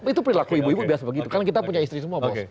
itu perilaku ibu ibu biasa begitu karena kita punya istri semua bos